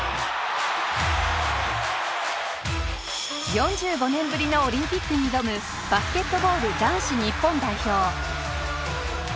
４５年ぶりのオリンピックに挑むバスケットボール男子日本代表。